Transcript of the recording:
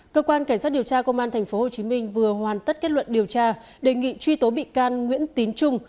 cơ quan cảnh sát điều tra công an tp hcm vừa hoàn tất kết luận điều tra đề nghị truy tố bị can nguyễn tín trung